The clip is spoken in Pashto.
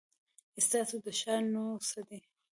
ستاسو د ښار نو څه دی ؟